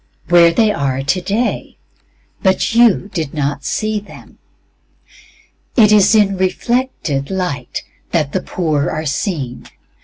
Where they are today, but you did not see them. It is in reflected light that the poor are seen.